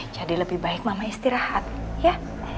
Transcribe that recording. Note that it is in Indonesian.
jadi lebih baik mama istirahat ya